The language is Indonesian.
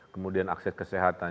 kemudian akses kesehatan